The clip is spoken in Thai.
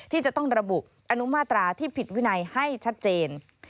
ที่จะต้องระบุอนุมาตราที่ผิดวินัยให้ชัดเจน